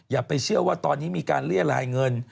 อย่าไปเชื่อว่าตอนนี้มีการเรียรายเงิน